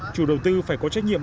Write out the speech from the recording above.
chủ đầu tư phải có trách nhiệm